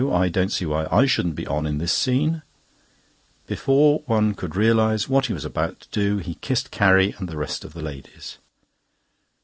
I don't see why I shouldn't be on in this scene." Before one could realise what he was about to do, he kissed Carrie and the rest of the ladies.